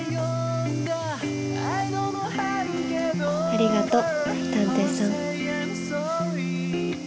ありがと探偵さん。